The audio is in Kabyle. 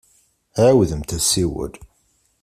Ɛiwdemt asiwel.